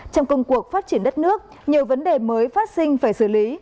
trong công cuộc phát triển đất nước nhiều vấn đề mới phát sinh phải xử lý